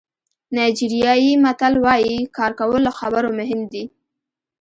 نایجیریايي متل وایي کار کول له خبرو مهم دي.